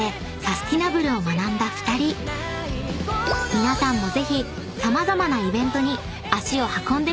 ［皆さんもぜひ様々なイベントに足を運んでみてくださーい！］